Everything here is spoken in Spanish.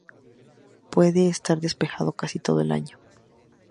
Puede estar despejado casi todo el año.